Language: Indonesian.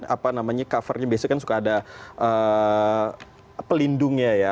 apa namanya covernya biasanya kan suka ada pelindungnya ya